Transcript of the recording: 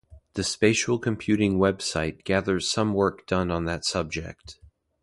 The Spatial Computing web site gathers some work done on that subject.